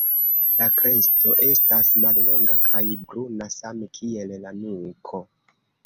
La kresto estas mallonga kaj bruna same kiel la nuko.